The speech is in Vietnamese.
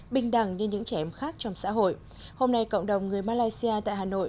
bình đẳng như những trẻ em khác trong xã hội hôm nay cộng đồng người malaysia tại hà nội